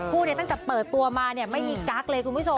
คู่เนี่ยตั้งแต่เปิดตัวมาเนี่ยไม่มีก๊ากเลยคุณผู้ชมค่ะ